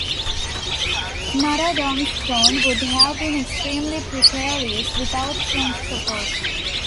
Norodom's throne would have been extremely precarious without French support.